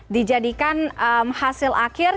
dijadikan hasil akhir